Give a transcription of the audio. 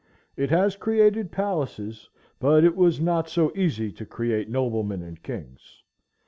It has created palaces, but it was not so easy to create noblemen and kings.